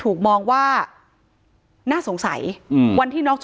ถ้าใครอยากรู้ว่าลุงพลมีโปรแกรมทำอะไรที่ไหนยังไง